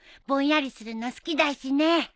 ぼんやりするの好きだしね。